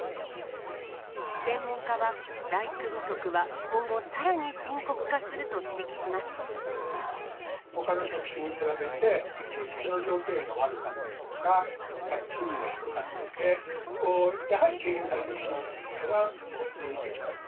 専門家は、大工不足は今後、ほかの職種に比べて、休日の条件が悪かったりとか、賃金が低かったりで、やはり敬遠されてしまうということが続いてきた。